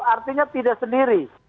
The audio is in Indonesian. artinya tidak sendiri